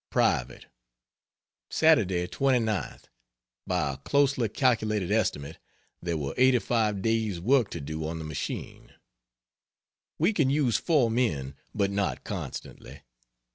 Private. Saturday 29th, by a closely calculated estimate, there were 85 days' work to do on the machine. We can use 4 men, but not constantly.